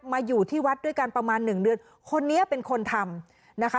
มาอยู่ที่วัดด้วยกันประมาณหนึ่งเดือนคนนี้เป็นคนทำนะคะ